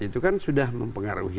itu kan sudah mempengaruhi